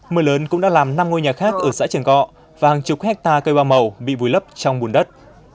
mưa lớn cũng đã làm năm ngôi nhà khác ở xã trường cọ và hàng chục hectare cây hoa màu bị vùi lấp trong bùn đất